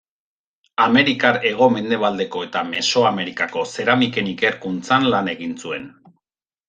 Amerikar hego-mendebaldeko eta Mesoamerikako zeramiken ikerkuntzan lan egin zuen.